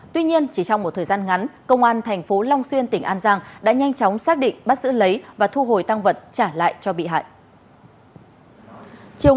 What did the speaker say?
tuy nhiên chỉ trong một thời gian ngắn công an thành phố long xuyên tỉnh an giang đã nhanh chóng xác định bắt giữ lấy và thu hồi tăng vật trả lại cho bị hại